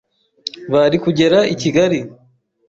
Bari kugera i Kigali,